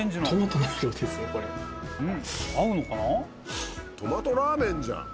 トマトラーメンじゃん。